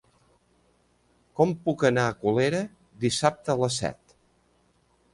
Com puc anar a Colera dissabte a les set?